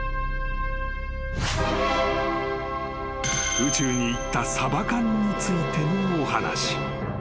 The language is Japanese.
［宇宙に行ったサバ缶についてのお話］